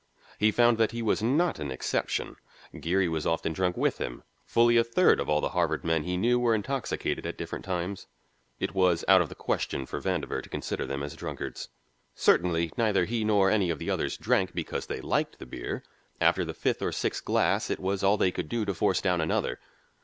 He found that he was not an exception; Geary was often drunk with him, fully a third of all the Harvard men he knew were intoxicated at different times. It was out of the question for Vandover to consider them as drunkards. Certainly, neither he nor any of the others drank because they liked the beer; after the fifth or sixth glass it was all they could do to force down another.